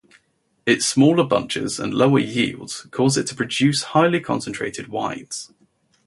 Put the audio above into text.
Its smaller bunches and lower yields cause it to produce highly concentrated wines.